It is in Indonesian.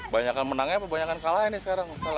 banyakan menangnya apa banyak kalah ini sekarang